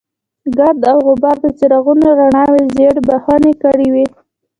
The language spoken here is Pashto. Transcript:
ګرد او غبار د څراغونو رڼاوې ژېړ بخونې کړې وې.